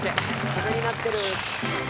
風になってる！